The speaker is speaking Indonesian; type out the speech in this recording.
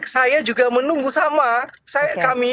saya juga menunggu sama